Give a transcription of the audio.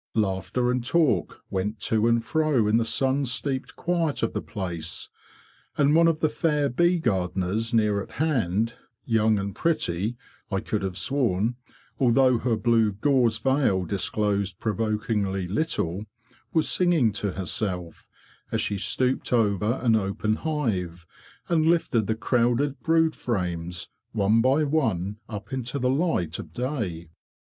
Laughter and talk went to and fro in the sun steeped quiet of the place; and one of the fair bee gardeners near at hand—young and pretty, I could have sworn, although her blue gauze veil disclosed provokingly little—was singing to herself, as she stooped over an open hive, and lifted the crowded brood frames one by one up into the light of day.